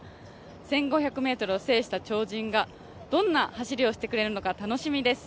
１５００ｍを制した超人がどんな走りをしてくれるのか楽しみです。